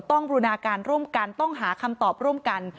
บูรณาการร่วมกันต้องหาคำตอบร่วมกัน